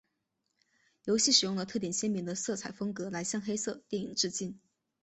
游戏使用了特点鲜明的色彩风格来向黑色电影致敬。